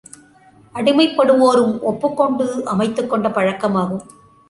அடிமைப்படுவோரும் ஒப்புக்கொண்டு அமைத்துக் கொண்ட பழக்கமாகும்.